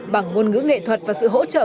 bằng ngôn ngữ nghệ thuật và sự hỗ trợ